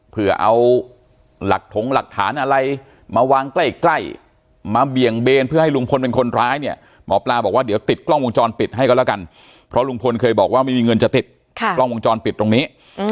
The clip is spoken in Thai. เพื่อเอาหลักถงหลักฐานอะไรมาวางใกล้ใกล้มาเบี่ยงเบนเพื่อให้ลุงพลเป็นคนร้ายเนี่ยหมอปลาบอกว่าเดี๋ยวติดกล้องวงจรปิดให้ก็แล้วกันเพราะลุงพลเคยบอกว่าไม่มีเงินจะติดกล้องวงจรปิดตรงนี้